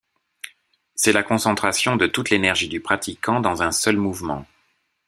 C'est la concentration de toute l'énergie du pratiquant dans un seul mouvement.